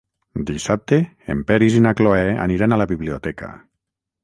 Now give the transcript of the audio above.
Dissabte en Peris i na Cloè aniran a la biblioteca.